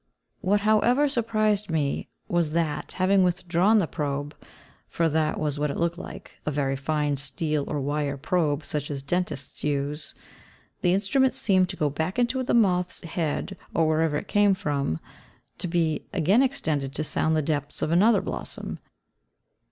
What, however, surprised me was that, having withdrawn the probe (for that was what it looked like, a very fine steel or wire probe, such as dentists use), the instrument seemed to go back into the moth's head, or wherever it came from, to be again extended to sound the depths of another blossom.